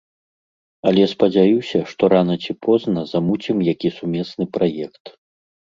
Але, спадзяюся, што рана ці позна замуцім які сумесны праект.